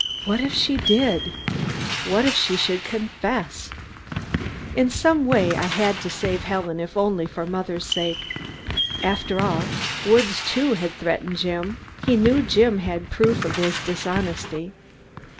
What if she did ? What if she should confess? In some way I had to save Helen if only for mother's sake. After all, Woods, too, had threatened Jim. He knew Jim had proof of his dishonesty.